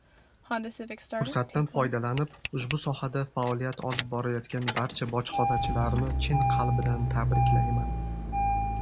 Fursatdan foydalanib, ushbu sohada faoliyat olib borayotgan barcha bojxonachilarni chin qalbdan tabriklayman.